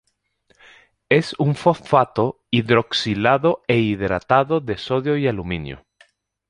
Es un fosfato hidroxilado e hidratado de sodio y aluminio.